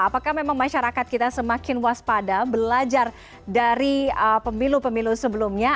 apakah memang masyarakat kita semakin waspada belajar dari pemilu pemilu sebelumnya